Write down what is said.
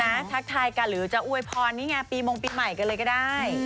ทักทายกันหรือจะอวยพรนี่ไงปีมงปีใหม่กันเลยก็ได้